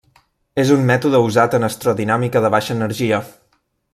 És un mètode usat en astrodinàmica de baixa energia.